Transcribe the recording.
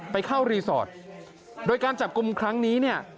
ไปเข้ารีสอร์ทโดยการจับกลุ่มครั้งนี้เนี่ย